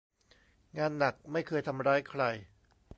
งานหนักไม่เคยทำร้ายใคร